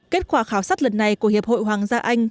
kết quả khảo sát lần này của hiệp hội hoàng gia anh